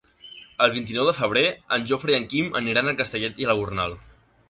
El vint-i-nou de febrer en Jofre i en Quim aniran a Castellet i la Gornal.